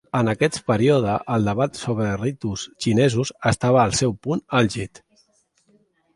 En aquest període el debat sobre els ritus xinesos estava al seu punt àlgid.